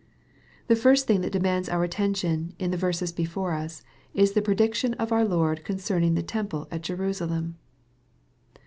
The first thing that demands our attention in the verses before us, is the prediction of our Lord concerning the temple at Jerusalem.